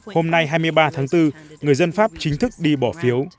hôm nay hai mươi ba tháng bốn người dân pháp chính thức đi bỏ phiếu